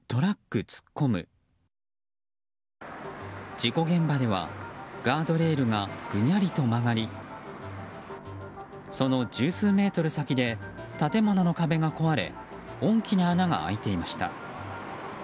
事故現場ではガードレールがぐにゃりと曲がりその十数メートル先で建物の壁が壊れ大きな穴が開いていました。